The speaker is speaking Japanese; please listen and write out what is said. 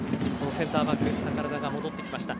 センターバック、宝田が戻ってきました。